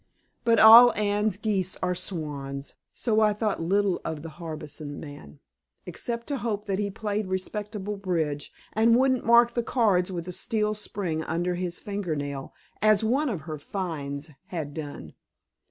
But all Anne's geese are swans, so I thought little of the Harbison man except to hope that he played respectable bridge, and wouldn't mark the cards with a steel spring under his finger nail, as one of her "finds" had done.